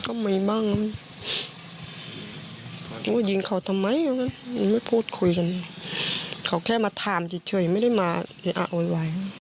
ก็ไม่บ้างก็ว่ายิงเขาทำไมพูดคุยกันเขาแค่มาถามเฉยไม่ได้มาเหลืออ่อนไหว